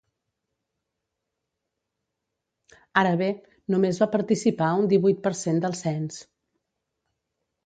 Ara bé, només va participar un divuit per cent del cens.